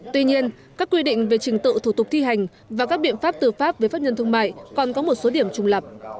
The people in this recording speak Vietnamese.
tuy nhiên các quy định về trình tự thủ tục thi hành và các biện pháp tử pháp với pháp nhân thương mại còn có một số điểm trùng lập